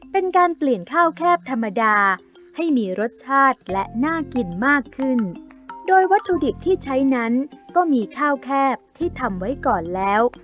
เป็นการเปลี่ยนข้าวแคบธรรมดาให้มีรสชาติและน่ากินมากขึ้นโดยวัตถุดิบที่ใช้นั้นก็มีข้าวแคบที่ทำไว้ก่อนแล้ว